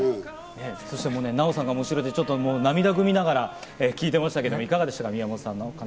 そしてナヲさんが後ろで涙ぐみながら聴いてましたけど、いかがでした？